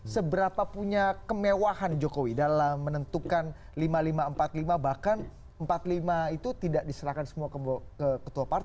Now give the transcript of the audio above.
seberapa punya kemewahan jokowi dalam menentukan lima ribu lima ratus empat puluh lima bahkan empat puluh lima itu tidak diserahkan semua ke ketua partai